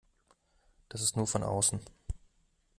Das ist nur von außen.